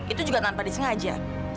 itu juga tanpa disengaja